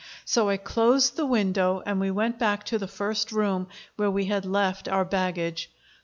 So I closed the window, and we went back to the first room, where we had left our baggage.